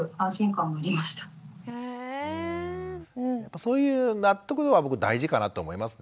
そういう納得度は僕大事かなと思いますね。